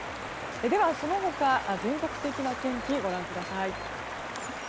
では、その他全国的な天気、ご覧ください。